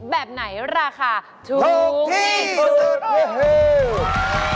แบบไหนราคาถูกที่สุด